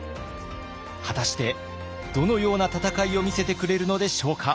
果たしてどのような戦いを見せてくれるのでしょうか？